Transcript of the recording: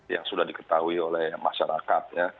yang sudah diketahui oleh masyarakat